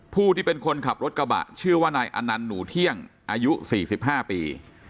ผู้ที่เป็นคนขับรถกระบะชื่อว่านายอนันต์หนูเที่ยงอายุ๔๕ปี